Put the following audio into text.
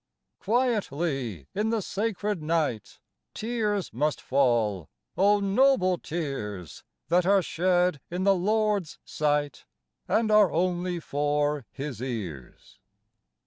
Quietly in the sacred night Tears must fall, O noble tears ! That are shed in the Lord's sight And are only for His ears.